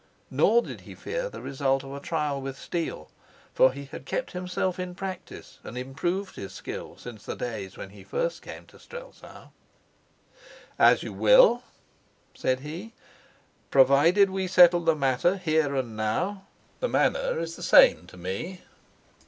Nor did he fear the result of a trial with steel, for he had kept himself in practice and improved his skill since the days when he came first to Strelsau. "As you will," said he. "Provided we settle the matter here and now, the manner is the same to me."